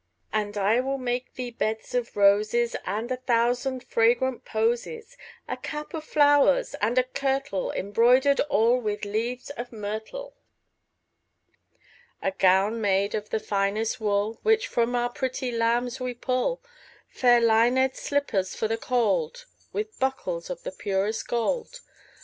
And I will make thee beds of roses And a thousand fragrant posies; 10 A cap of flowers, and a kirtle Embroider'd all with leaves of myrtle. A gown made of the finest wool Which from our pretty lambs we pull; Fair linèd slippers for the cold, 15 With buckles of the purest gold.